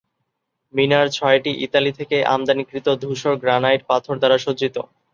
মিনার ছয়টি ইতালি থেকে আমদানিকৃত ধূসর গ্রানাইট পাথর দ্বারা সজ্জিত।